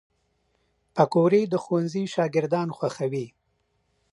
پکورې د ښوونځي شاګردان خوښوي